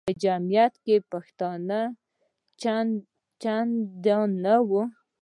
په جمیعت کې پښتانه چندان نه وو.